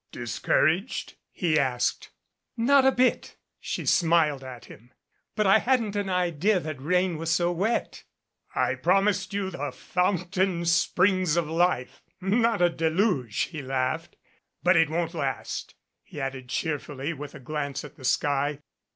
"Discouraged?" he asked. "Not a bit," she smiled at him. "But I hadn't an idea that rain was so wet." "I promised you the fountain springs of life not a deluge," he laughed. "But it won't last," he added cheerfully with a glance at the sky.